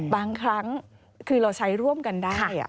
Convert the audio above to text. บางครั้งคือเราใช้ร่วมกันได้